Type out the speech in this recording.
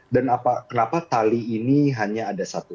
dan kenapa tali ini hanya ada satu